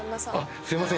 すいません